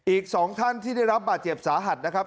อีก๒ท่านที่ได้รับบาดเจ็บสาหัสนะครับ